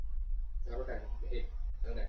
এই ঝাড়বাতির নীচে।